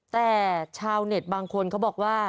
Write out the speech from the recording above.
แต่ชาวเน็ตบางคนเขาบอกว่า